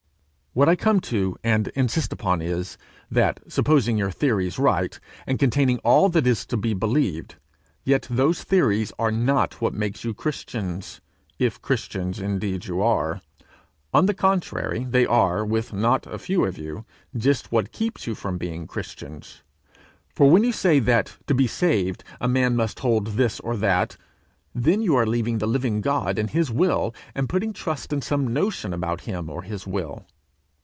What I come to and insist upon is, that, supposing your theories right, and containing all that is to be believed, yet those theories are not what makes you Christians, if Christians indeed you are. On the contrary, they are, with not a few of you, just what keeps you from being Christians. For when you say that, to be saved, a man must hold this or that, then are you leaving the living God and his will, and putting trust in some notion about him or his will.